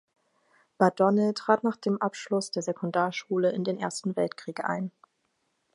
Badonnel trat nach dem Abschluss der Sekundarschule in den Ersten Weltkrieg ein.